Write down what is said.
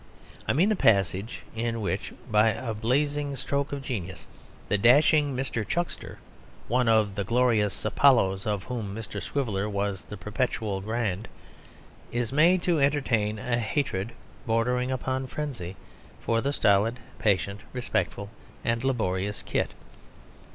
I mean the passage in which (by a blazing stroke of genius) the dashing Mr. Chuckster, one of the Glorious Apollos of whom Mr. Swiveller was the Perpetual Grand, is made to entertain a hatred bordering upon frenzy for the stolid, patient, respectful, and laborious Kit.